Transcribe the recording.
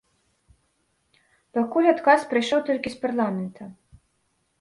Пакуль адказ прыйшоў толькі з парламента.